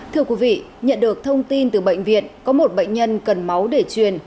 thưa quý vị nhận được thông tin từ bệnh viện có một bệnh nhân cần máu để truyền